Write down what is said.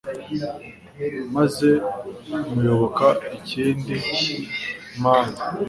maze muyoboka izindi mana